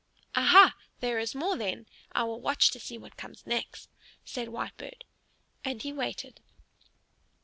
"Aha! there is more then. I will watch to see what comes next," said Whitebird. And he waited.